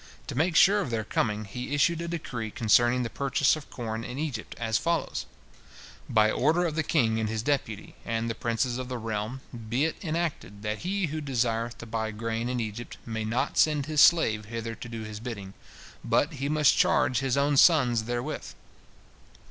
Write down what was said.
To make sure of their coming, he issued a decree concerning the purchase of corn in Egypt, as follows: "By order of the king and his deputy, and the princes of the realm, be it enacted that he who desireth to buy grain in Egypt may not send his slave hither to do his bidding, but he must charge his own sons therewith.